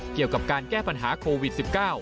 เกี่ยวกับการแก้ปัญหาโควิด๑๙